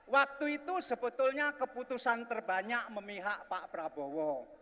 waktu itu sebetulnya keputusan terbanyak memihak pak prabowo